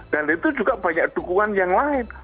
dan itu juga banyak dukungan yang lain